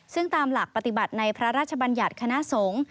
ซึ่งตามหลักปฏิบัติในพระราชบัญญัติคณะสงฆ์